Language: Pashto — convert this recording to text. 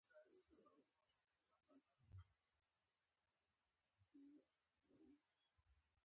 زما لپاره يوازې دې هم کفايت کاوه.